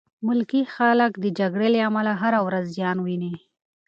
ملکي خلک د جګړې له امله هره ورځ زیان ویني.